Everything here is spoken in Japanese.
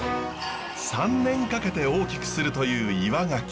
３年かけて大きくするという岩ガキ。